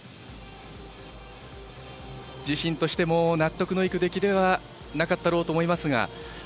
自身としても、納得のいく出来ではなかったろうと思いますが。